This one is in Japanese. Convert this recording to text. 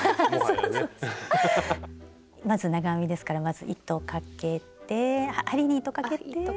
まず長編みですからまず糸かけて針に糸かけてそうです。